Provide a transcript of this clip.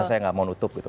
saya nggak mau nutup gitu